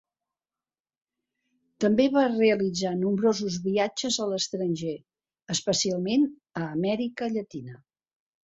També va realitzar nombrosos viatges a l'estranger, especialment a Amèrica Llatina.